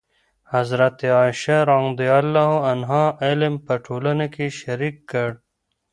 حضرت عایشه رضي الله عنها علم په ټولنه کې شریک کړ.